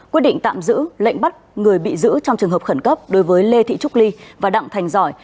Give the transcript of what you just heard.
quyết định tạm giữ lệnh bắt người bị giữ trong trường hợp khẩn cấp đối với lê thị trúc ly và đặng thành giỏi